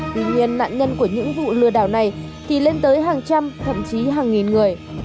tuy nhiên nạn nhân của những vụ lừa đảo này thì lên tới hàng trăm thậm chí hàng nghìn người